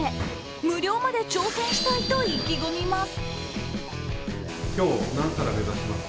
無料まで挑戦したいと意気込みます。